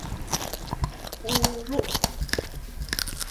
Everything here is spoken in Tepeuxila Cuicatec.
Ú rúʼu.